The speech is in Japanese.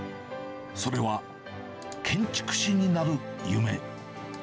それは、建築士になる夢。